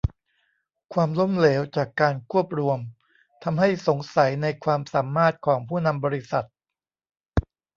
ความล้มเหลวจากการควบรวมทำให้สงสัยในความสามารถของผู้นำบริษัท